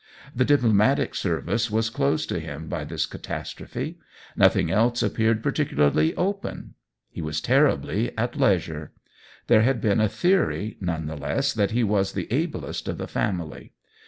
The diplomatic service was closed to him by this catastrophe ; nothing else appeared particularly open ; he was ter ribly at leisure. There had been a theory, none the less, that he was the ablest of the family.